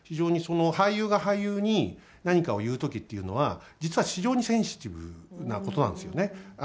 俳優が俳優に何かを言うときっていうのは実は非常にセンシティブなことなんですよね。